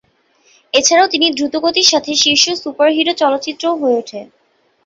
এছাড়াও, এটি দ্রুতগতির সাথে শীর্ষ সুপারহিরো চলচ্চিত্রও হয়ে ওঠে।